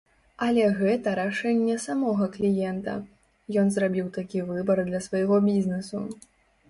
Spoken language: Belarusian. Але гэта рашэнне самога кліента, ён зрабіў такі выбар для свайго бізнэсу.